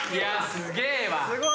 すげえわ。